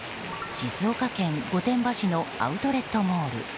静岡県御殿場市のアウトレットモール。